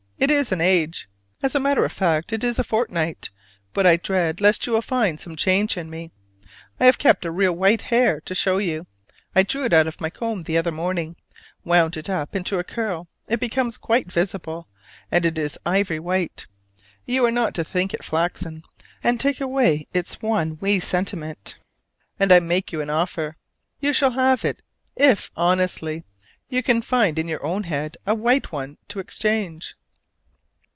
it is an age! As a matter of fact, it is a fortnight: but I dread lest you will find some change in me. I have kept a real white hair to show you, I drew it out of my comb the other morning: wound up into a curl it becomes quite visible, and it is ivory white: you are not to think it flaxen, and take away its one wee sentiment! And I make you an offer: you shall have it if, honestly, you can find in your own head a white one to exchange.